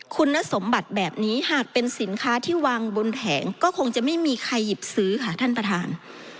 คุณสมบัติแบบนี้หากเป็นสินค้าที่วางบนแผงก็คงจะไม่มีใครหยิบซื้อค่ะท่านประธาน